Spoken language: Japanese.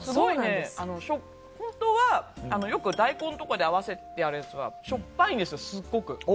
本当はよく大根などに合わせるやつはしょっぱいんですよ、すごく。